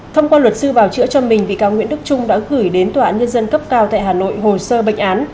thông qua luật sư bào chữa cho mình vị cáo nguyễn đức trung đã gửi đến tòa nhân dân cấp cao tại hà nội hồ sơ bệnh án